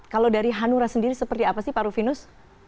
kalau dari hanura sendiri seperti apa sih pak rufinus